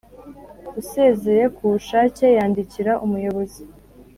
Usezeye ku bushake yandikira Umuyobozi